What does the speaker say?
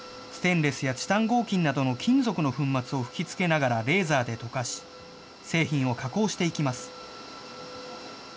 ステンレスやチタン合金などの金属の粉末を吹きつけながらレーザーで溶かし、製品を加工していきます。